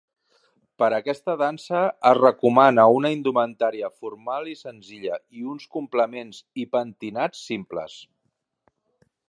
Per aquesta dansa es recomana una indumentària formal i senzilla i uns complements i pentinats simples.